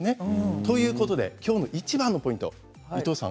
ということできょうのいちばんのポイントいとうさん